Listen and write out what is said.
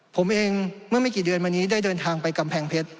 ผมเองเมื่อไม่กี่เดือนมานี้ได้เดินทางไปกำแพงเพชร